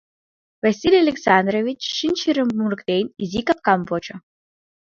Василий Александрович, шинчырым мурыктен, изи капкам почо.